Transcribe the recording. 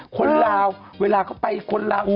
คนลาวเวลาเขาไปคนลาว